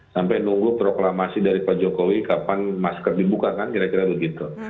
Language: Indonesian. sampai nunggu proklamasi dari pak jokowi kapan masker dibuka kan kira kira begitu